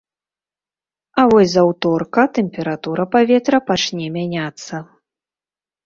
А вось з аўторка тэмпература паветра пачне мяняцца.